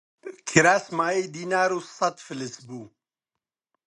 کراس مایەی دینار و سەت فلس بوو